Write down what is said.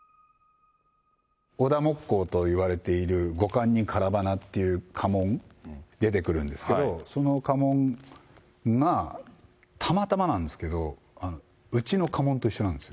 織田もっこうといわれているごかんにからばなっていう家紋、出てくるんですけど、その家紋がたまたまなんですけど、うちの家紋と一緒なんですよ。